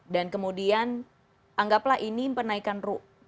dan kemudian anggaplah ini pengenaikan rupi